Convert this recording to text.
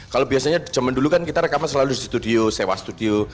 kalau biasanya zaman dulu kan kita rekaman selalu di studio sewa studio